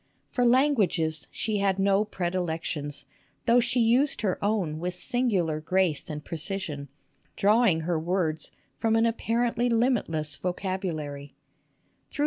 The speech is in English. For languages she had no predilections, though she used her own with singular grace and precision, drawing her words from an appar ently limitless vocabulary.